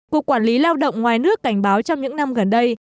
cục quản lý lao động ngoài nước cảnh báo trong những năm gần đây